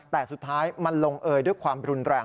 แต่สุดท้ายมันลงเอยด้วยความรุนแรง